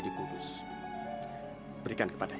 janganlah mereka melemah